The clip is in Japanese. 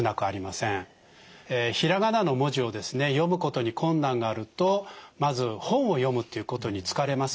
ひらがなの文字を読むことに困難があるとまず本を読むということに疲れます。